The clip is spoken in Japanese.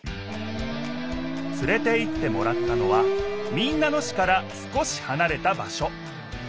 つれていってもらったのは民奈野市から少しはなれた場しょ。